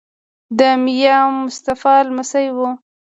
د میا مصطفی لمسی وو.